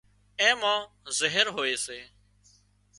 اين مان زهر هوئي سي